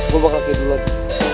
gue bakal kayak dulu lagi